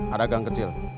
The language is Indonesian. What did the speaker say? ada gang kecil